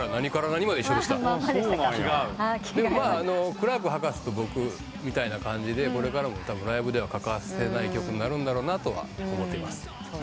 『クラーク博士と僕』みたいな感じでこれからもライブでは欠かせない曲になるんだろうなとは思ってます。